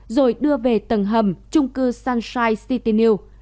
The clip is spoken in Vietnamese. rồi đưa về tầng hầm trung cư sunshine city new